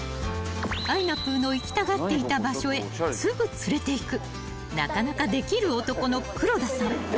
［あいなぷぅの行きたがっていた場所へすぐ連れていくなかなかできる男の黒田さん］